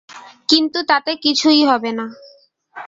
কিন্তু তাতে কিছুই হবে না।